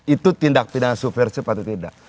itu tindak pidana subversif atau tidak